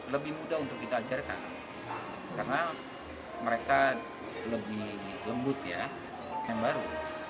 lebih mudah untuk kita ajarkan karena mereka lebih lembut ya yang baru